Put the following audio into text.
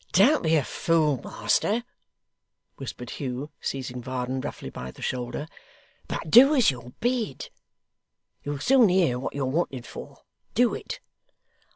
'Don't be a fool, master,' whispered Hugh, seizing Varden roughly by the shoulder; 'but do as you're bid. You'll soon hear what you're wanted for. Do it!